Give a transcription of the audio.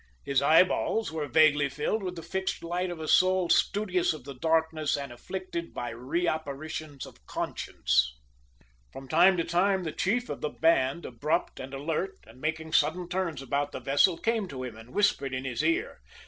His eyeballs were vaguely filled with the fixed light of a soul studious of the darkness and afflicted by reapparitions of conscience. From time to time the chief of the band, abrupt and alert, and making sudden turns about the vessel, came to him and whispered in his ear.